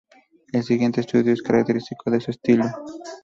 El siguiente estudio es característico de su estilo.